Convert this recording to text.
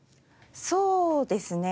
そうですね